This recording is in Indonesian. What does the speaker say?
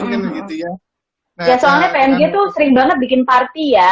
ya soalnya pmg itu sering banget bikin party ya